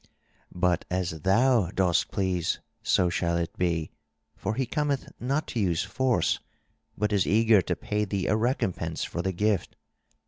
But as thou dost please, so shall it be, for he cometh not to use force, but is eager to pay thee a recompense for the gift.